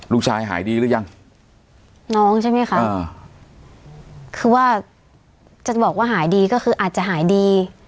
หายดีหรือยังน้องใช่ไหมคะอ่าคือว่าจะบอกว่าหายดีก็คืออาจจะหายดี